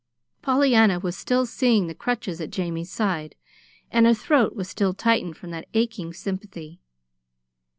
Pollyanna was still seeing the crutches at Jamie's side, and her throat was still tightened from that aching sympathy.